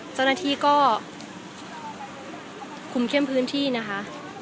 เจ้าหน้าที่ก็คุมเข้มพื้นที่นะคะ